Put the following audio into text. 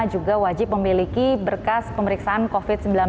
juga wajib memiliki berkas pemeriksaan covid sembilan belas